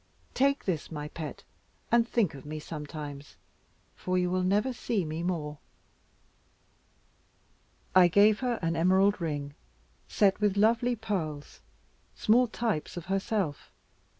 Take this, my pet, and think of me sometimes, for you will never see me more." I gave her an emerald ring, set with lovely pearls, small types of herself.